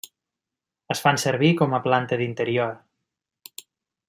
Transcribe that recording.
Es fan servir com a planta d'interior.